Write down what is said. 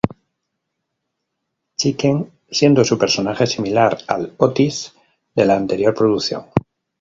Chicken", siendo su personaje similar al Otis de la anterior producción.